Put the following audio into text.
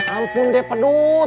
ampun deh pedut